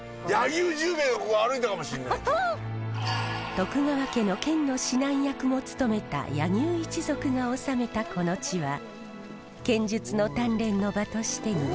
徳川家の剣の指南役も務めた柳生一族が治めたこの地は剣術の鍛錬の場としてにぎわいました。